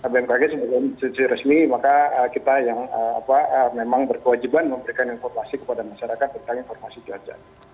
bmkg sebelum resmi maka kita yang apa memang berkewajiban memberikan informasi kepada masyarakat tentang informasi curah hujan